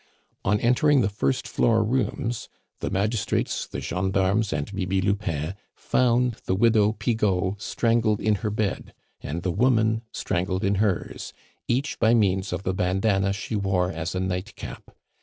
On entering the first floor rooms, the magistrates, the gendarmes, and Bibi Lupin found the widow Pigeau strangled in her bed and the woman strangled in hers, each by means of the bandana she wore as a nightcap.